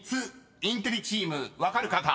［インテリチーム分かる方］